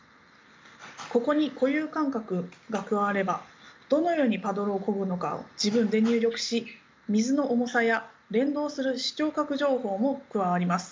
ここに固有感覚が加わればどのようにパドルをこぐのかを自分で入力し水の重さや連動する視聴覚情報も加わります。